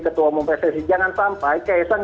ketua umum pssi jangan sampai kaisang